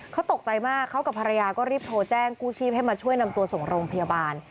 เขาตกใจมากเขากับภรรยาก็รีบโทรแจ้งกู้ชีพให้มาช่วยนำตัวส่งโรงพยาบาล